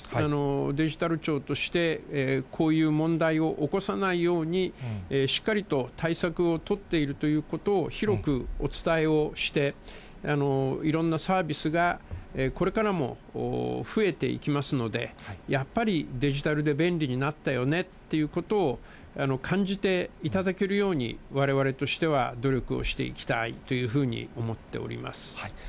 デジタル庁として、こういう問題を起こさないように、しっかりと対策を取っているということを広くお伝えをして、いろんなサービスがこれからも増えていきますので、やっぱりデジタルで便利になったよねということを感じていただけるように、われわれとしては努力をしていきたいというふうに思っております。